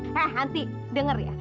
hah nanti denger ya